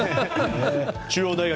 中央大学